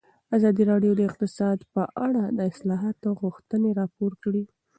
ازادي راډیو د اقتصاد په اړه د اصلاحاتو غوښتنې راپور کړې.